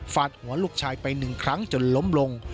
ดหัวลูกชายไปหนึ่งครั้งจนล้มลง